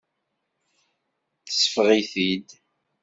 Tesbeɣ-it-id.